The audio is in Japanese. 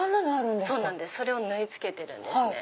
それを縫い付けてるんですね。